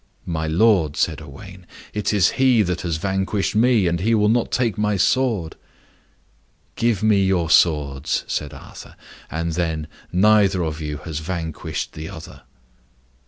"My lord," said Owain, "it is he that has vanquished me, and he will not take my sword." "Give me your swords," said Arthur, "and then neither of you has vanquished the other."